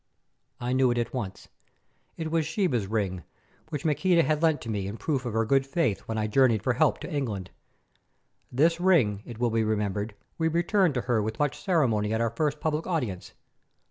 I knew it at once; it was Sheba's ring which Maqueda had lent to me in proof of her good faith when I journeyed for help to England. This ring, it will be remembered, we returned to her with much ceremony at our first public audience.